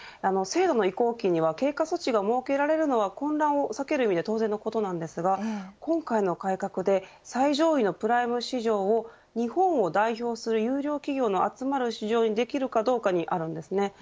制度の移行期には経過措置が設けられるのは混乱を避ける意味で当然のことですが今回の改革で最上位のプライム市場を日本を代表する優良企業の集まる市場にできるかどうかにあります。